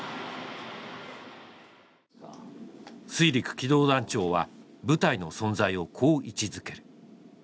水陸機動団長は部隊の存在をこう位置づける